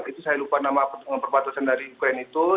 itu saya lupa nama perbatasan dari ukraine itu